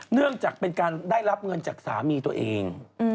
เนื่องจากเป็นการได้รับเงินจากสามีตัวเอง